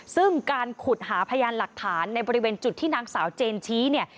ซึ่งการขุดหาพยานหลักฐานในบริเวณจุดที่นางสาวเจนชี้เนี่ย